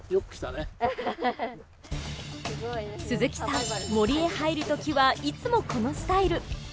鈴木さん森へ入る時はいつもこのスタイル。